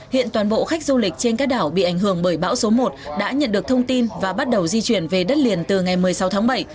hiện toàn bộ khách du lịch trên các đảo bị ảnh hưởng bởi bão số một đã nhận được thông tin và bắt đầu di chuyển về đất liền từ ngày một mươi sáu tháng bảy